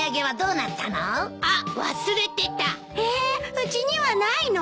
うちにはないの？